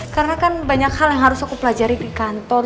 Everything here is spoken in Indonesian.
karena kan banyak hal yang harus aku pelajari di kantor